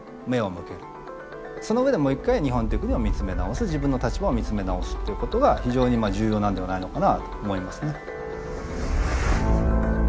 その上でもう一回日本っていう国を見つめ直す自分の立場を見つめ直すっていうことが非常に重要なんではないのかなと思いますね。